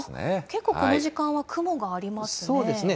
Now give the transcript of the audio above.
結構、この時間は雲がありますね。